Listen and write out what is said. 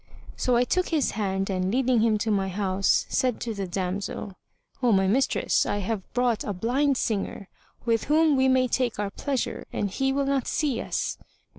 So I took his hand and, leading him to my house, said to the damsel, "O my mistress, I have brought a blind singer, with whom we may take our pleasure and he will not see us."